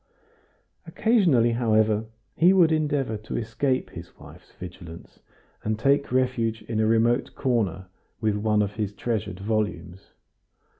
Occasionally, however, he would endeavor to escape his wife's vigilance, and take refuge in a remote corner with one of his treasured volumes.